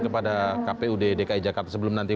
kepada kpu dki jakarta sebelum nanti